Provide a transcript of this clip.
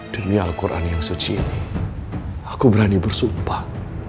demi al quran yang suci ini aku berani bersumpah